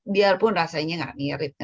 biarpun rasanya tidak mirip